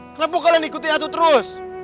kenapa kalian ikuti acu terus